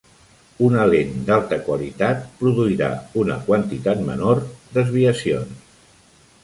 Una lent d'alta qualitat produirà una quantitat menor desviacions.